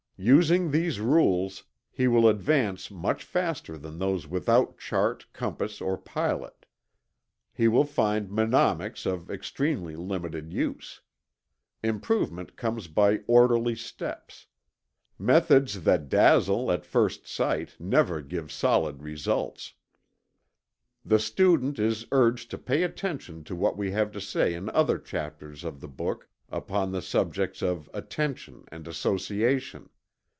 Using these rules, he will advance much faster than those without chart, compass, or pilot. He will find mnemonics of extremely limited use. Improvement comes by orderly steps. Methods that dazzle at first sight never give solid results." The student is urged to pay attention to what we have to say in other chapters of the book upon the subjects of attention and association.